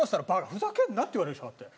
ふざけるな」って言われるでしょだって。